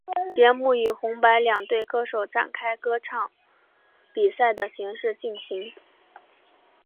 节目以红白两队歌手展开歌唱比赛的形式进行。